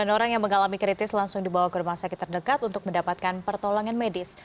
sembilan orang yang mengalami kritis langsung dibawa ke rumah sakit terdekat untuk mendapatkan pertolongan medis